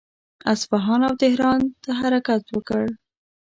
اصفهان او تهران ته حرکت وکړ.